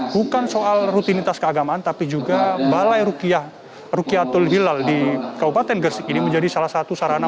bukan soal rutinitas keagamaan tapi juga balai rukiatul hilal di kabupaten gresik ini menjadi salah satu sarana